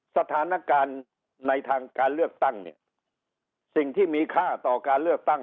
สถานการณ์ในทางการเลือกตั้งเนี่ยสิ่งที่มีค่าต่อการเลือกตั้ง